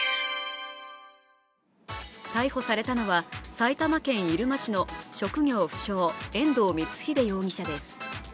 逮捕されたのは、埼玉県入間市の職業不詳、遠藤光英容疑者です。